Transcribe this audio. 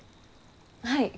はい？